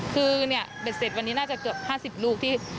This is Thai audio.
คือเนี่ยเบ็ดเสร็จวันนี้น่าจะเกือบ๕๐ลูกที่